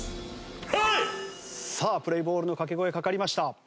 さあプレーボールのかけ声かかりました。